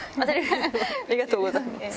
ありがとうございます。